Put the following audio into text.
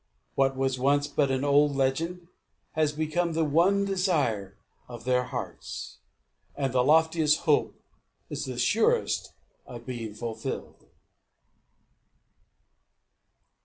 What was once but an old legend has become the one desire of their hearts. And the loftiest hope is the surest of being fulfilled.